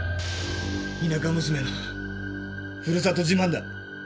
田舎娘のふるさと自慢だ。